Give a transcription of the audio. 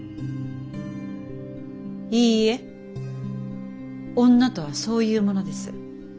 いいえ女とはそういうものです。